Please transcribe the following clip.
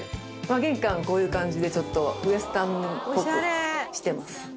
玄関こういう感じでちょっとウエスタンっぽくしてます。